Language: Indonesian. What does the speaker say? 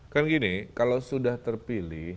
kan gini kalau sudah terpilih